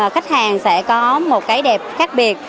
khách hàng sẽ có một cái đẹp khác biệt